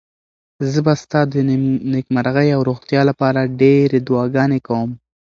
زه به ستا د نېکمرغۍ او روغتیا لپاره ډېرې دعاګانې کوم.